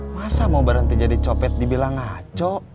masa mau berhenti jadi copet dibilang ngaco